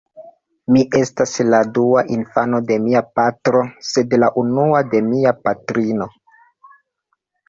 Mi estas la dua infano de mia patro, sed la unua de mia patrino.